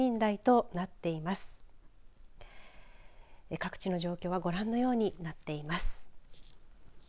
各地の状況はご覧のようになっています。